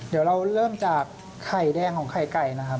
เดี๋ยวเราเริ่มจากไข่แดงของไข่ไก่นะครับ